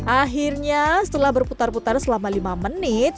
akhirnya setelah berputar putar selama lima menit